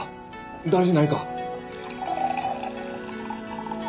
大事ないか？